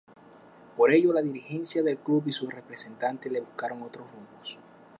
Por ello la dirigencia del club y su representante le buscaron otros rumbos.